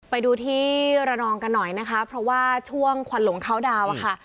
ไปดูที่ระนองกันหน่อยนะคะเพราะว่าช่วงควันหลงเข้าดาวอะค่ะ